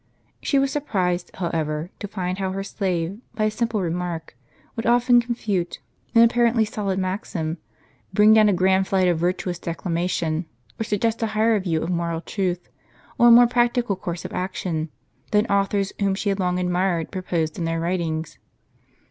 She was surprised, however, to find how her slave, by a simple remark, would often confute an apparently solid maxim, bring down a grand flight of virtuous declamation, or suggest a higher view of moral truth, or a more practical course of action, than authors whom she had long admired proposed in their writ ings.